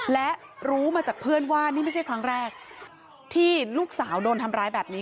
และรู้มาจากเพื่อนว่านี่ไม่ใช่ครั้งแรกที่ลูกสาวโดนทำร้ายแบบนี้